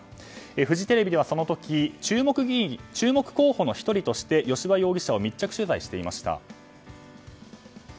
フジテレビではその時、注目候補の１人として吉羽容疑者を密着取材していました。